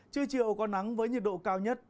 trưa chiều có nắng với nhiệt độ cao nhất